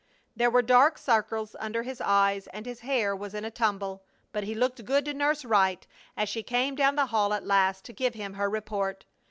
There were dark circles under his eyes, and his hair was in a tumble, but he looked good to Nurse Wright as she came down the hall at last to give him her report.